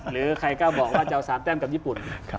หรือใครกล้าบอกว่าจะเอา๓แต้มกับญี่ปุ่น